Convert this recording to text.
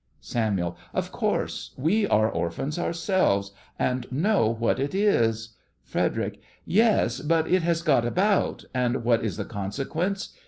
SAMUEL: Of course: we are orphans ourselves, and know what it is. FREDERIC: Yes, but it has got about, and what is the consequence?